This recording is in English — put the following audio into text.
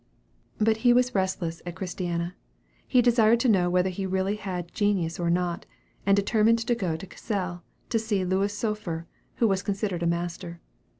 But he was restless at Christiana. He desired to know whether he really had genius or not, and determined to go to Cassell, to see Louis Spohr, who was considered a master.